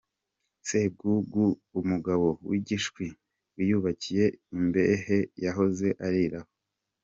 Sebwugugu, umugabo w’igishwi wiyubikiye imbehe yahoze ariraho.